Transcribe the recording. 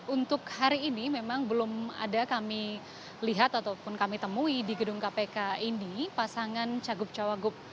untuk hari ini memang belum ada kami lihat ataupun kami temui di gedung kpk ini pasangan cagup cawagup